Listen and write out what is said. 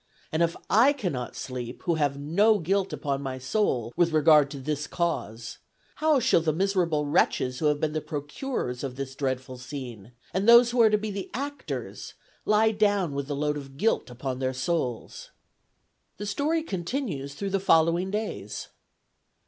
And if I cannot sleep, who have no guilt upon my soul with regard to this cause, how shall the miserable wretches who have been the procurers of this dreadful scene, and those who are to be the actors, lie down with the load of guilt upon their souls?" The story continues through the following days.